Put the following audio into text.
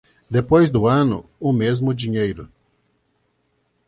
Depois do ano, o mesmo dinheiro.